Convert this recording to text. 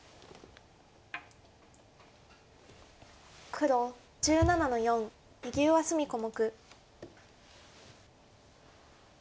黒１７の四右上隅小目。